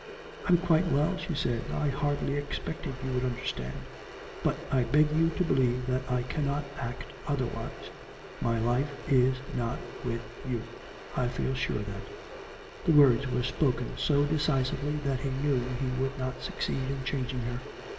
'I'm quite well,' she said. 'I hardly expected you would understand. But I beg you to believe that I cannot act otherwise. My life is not with you. I feel sure of that.' The words were spoken so decisively that he knew he would not succeed in changing her.